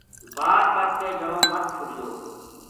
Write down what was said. باڑ پَٹ کے جنو مدھ چھوڈیو